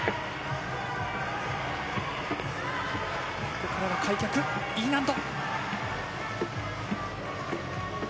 ここからは開脚、Ｅ難度。